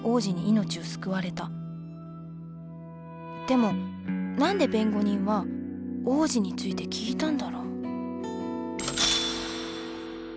でも何で弁護人は王子について聞いたんだろう。